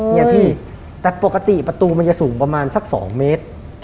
เนี่ยพี่แต่ปกติประตูมันจะสูงประมาณสัก๒เมตร